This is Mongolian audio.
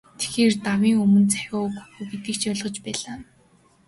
Тэгэхээр, давын өмнө захиа өгөхгүй гэдгийг ч ойлгож байлаа.